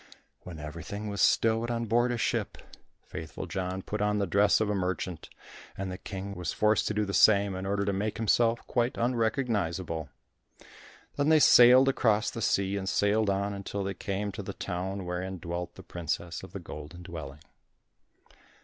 When everything was stowed on board a ship, Faithful John put on the dress of a merchant, and the King was forced to do the same in order to make himself quite unrecognizable. Then they sailed across the sea, and sailed on until they came to the town wherein dwelt the princess of the Golden Dwelling.